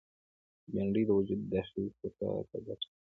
بېنډۍ د وجود داخلي صفا ته ګټه لري